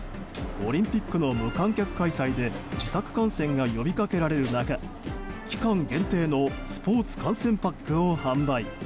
オリンピックの無観客開催で自宅観戦が呼びかけられる中、期間限定のスポーツ観戦パックを販売。